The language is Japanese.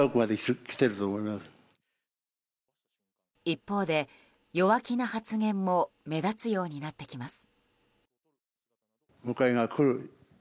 一方で、弱気な発言も目立つようになってきます。